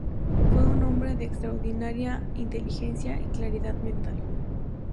Fue un hombre de extraordinaria inteligencia y claridad mental.